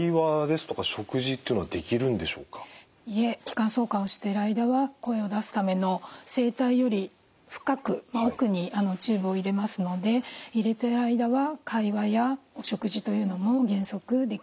いえ気管挿管をしている間は声を出すための声帯より深く奥にチューブを入れますので入れている間は会話やお食事というのも原則できません。